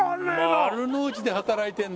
丸の内で働いてるんだ。